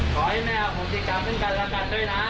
ขอให้แม่โอโฮฯิกรรมเครื่องการแล้วกันด้วยนะ